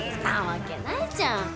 なわけないじゃん。